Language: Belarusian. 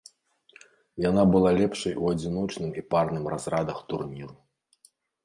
Яна была лепшай у адзіночным і парным разрадах турніру.